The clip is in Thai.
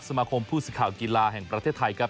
สมาคมผู้สื่อข่าวกีฬาแห่งประเทศไทยครับ